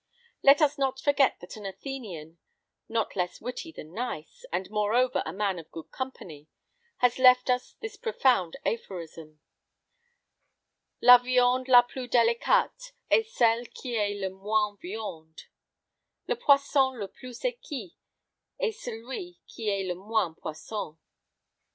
Let us not forget that an Athenian, not less witty than nice, and, moreover, a man of good company, has left us this profound aphorism: "_La viande la plus délicate est celle qui est le moins viande; le poisson le plus exquis est celui qui est le moins poisson.